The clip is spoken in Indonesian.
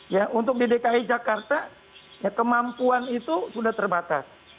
ya untuk di dki jakarta ya kemampuan itu sudah terbatas